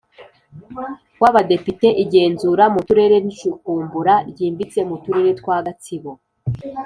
w Abadepite igenzura mu Turere n icukumbura ryimbitse mu Turere twa Gatsibo